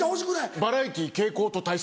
バラエティー傾向と対策。